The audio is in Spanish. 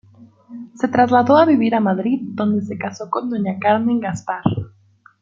Se trasladó a vivir a Madrid donde se casó con doña Carmen Gaspar.